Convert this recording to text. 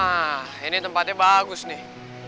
nah ini tempatnya bagus nih